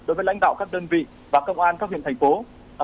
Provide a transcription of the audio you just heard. đối với lãnh đạo các đơn vị và công an các huyện thành phố